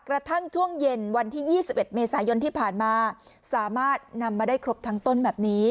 กระทั่งช่วงเย็นวันที่๒๑เมษายนที่ผ่านมาสามารถนำมาได้ครบทั้งต้นแบบนี้